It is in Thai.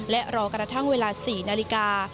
และรอกระทั่งเวลา๔นาฬิกา